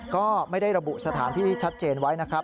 ก็ไม่ได้ระบุสถานที่ที่ชัดเจนไว้นะครับ